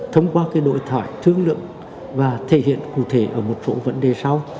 thông qua cái đội thoại thương lượng và thể hiện cụ thể ở một số vấn đề sau